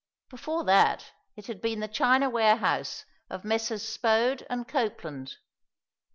Before that it had been the china warehouse of Messrs. Spode and Copeland.